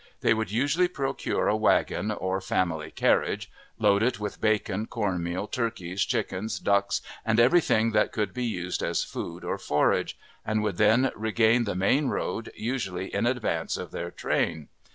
They would usually procure a wagon or family carriage, load it with bacon, corn meal, turkeys, chickens, ducks, and every thing that could be used as food or forage, and would then regain the main road, usually in advance of their train.